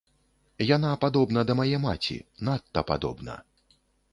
Яна падобна да мае маці, надта падобна.